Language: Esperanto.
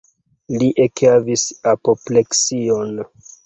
Li ekhavis apopleksion.